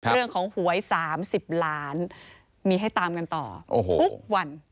หวย๓๐ล้านมีให้ตามกันต่อทุกวัน